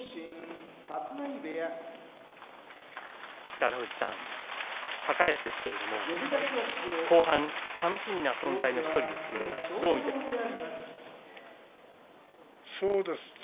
北の富士さん高安ですけれども後半、楽しみな存在の１人ですがどう見ていますか？